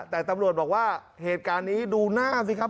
แต่ตำรวจบอกว่าเหตุการณ์นี้ดูหน้าสิครับ